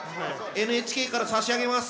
ＮＨＫから差し上げます。